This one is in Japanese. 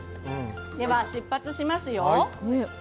では、出発しますよ。